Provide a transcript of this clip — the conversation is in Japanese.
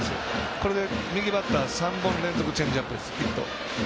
これで右バッター、３本連続キャプテンです、ヒット。